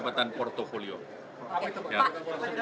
jabatan portofolio itu tidak sebanyak pekerjaan di mentos